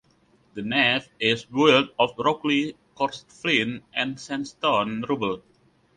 The nave is built of roughly coursed flint and sandstone rubble.